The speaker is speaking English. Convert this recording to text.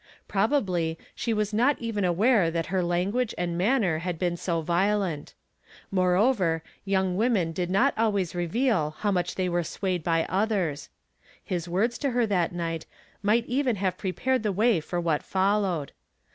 Probably she was not even aware that her lan guage and manner had been so violent. More over, young women did not always reveal how much they were swayed by othei s. His words to her that night might even ha've prepared the way for what followed.